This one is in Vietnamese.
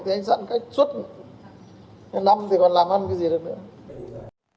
thì anh giãn cách suốt hàng năm thì còn làm ăn cái gì được nữa